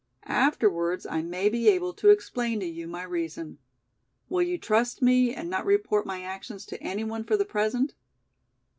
Afterwards I may be able to explain to you my reason. Will you trust me and not report my actions to any one for the present?"